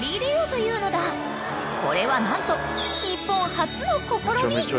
［これは何と日本初の試み］